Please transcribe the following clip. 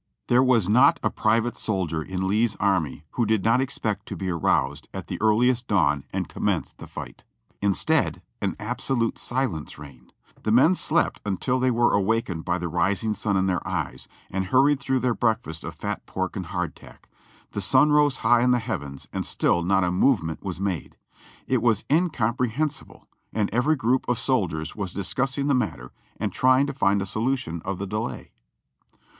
There was not a private soldier in Lee's army who did not ex pect to be aroused at the earliest dawn and commence the fight. Instead, an absolute silence reigned ; the men slept until they were awakened by the rising sun in their eyes, and hurried through their breakfast of fat pork and hardtack. The sun rose high in the heavens and still not a movement was made. It was incom prehensible, and every group of soldiers was discussing the mat ter and trying to find a solution of the delay.